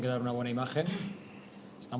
dan harus memberikan imajen yang baik